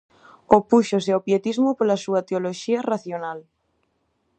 Opúxose ao pietismo pola súa teoloxía racional.